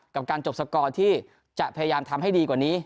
กับการจบสกอร์ที่จะพยายามทำให้ดีกว่านี้